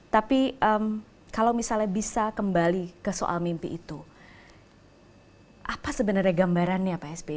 tapi kalau misalnya bisa kembali ke soal mimpi itu apa sebenarnya gambarannya pak sby